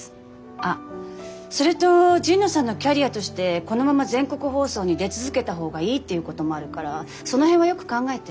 あっそれと神野さんのキャリアとしてこのまま全国放送に出続けた方がいいっていうこともあるからその辺はよく考えて。